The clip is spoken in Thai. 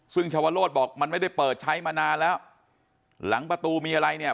ซึ่งชาวโรธบอกมันไม่ได้เปิดใช้มานานแล้วหลังประตูมีอะไรเนี่ย